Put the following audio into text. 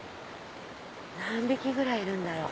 何匹ぐらいいるんだろう？